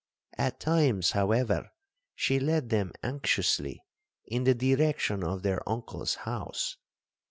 At times, however, she led them anxiously in the direction of their uncle's house.